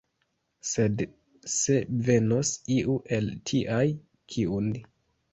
Sed se venos iu el tiaj, kiun.